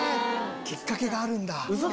きっかけがあるんだ。